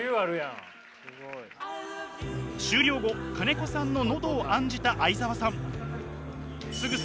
終了後金子さんの喉を案じた相澤さん。